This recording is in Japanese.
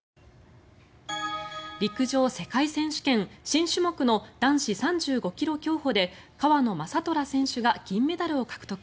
陸上世界選手権新種目の男子３５ｋｍ競歩で川野将虎選手が銀メダルを獲得。